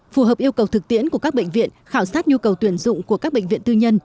phù hợp yêu cầu thực tiễn của các bệnh viện khảo sát nhu cầu tuyển dụng của các bệnh viện tư nhân